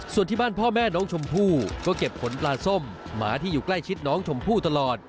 ส่วนที่บ้านพ่อแม่น้องชมพู่ก็เก็บขนปลาส้มหมาที่อยู่ใกล้ชิดน้องชมพู่ตลอด